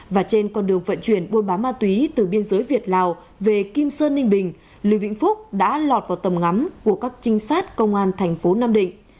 và trên con đường vận chuyển buôn bán ma túy từ biên giới việt lào về kim sơn ninh bình lưu vĩnh phúc đã lọt vào tầm ngắm của các trinh sát công an thành phố nam định